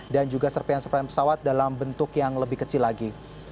dan juga serpihan serpihan pesawat dalam bentuk yang lebih kecil lagi